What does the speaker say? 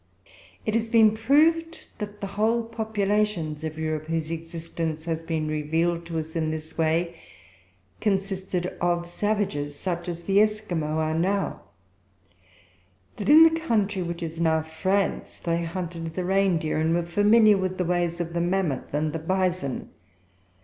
It has been proved that the whole populations of Europe, whose existence has been revealed to us in this way, consisted of savages, such as the Esquimaux are now; that, in the country which is now France, they hunted the reindeer, and were familiar with the ways of the mammoth and the bison.